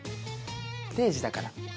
定時だから。